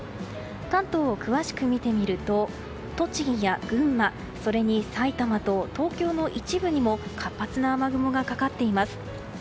関東を詳しく見てみると栃木や群馬、それに埼玉と東京の一部にも活発な雨雲がかかっています。